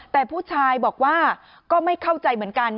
แต่ผู้ชายบอกว่าก็ไม่เข้าใจเหมือนกัน